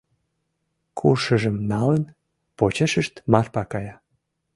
Куршыжым налын, почешышт Марпа кая.